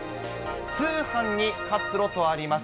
通販に活路とあります。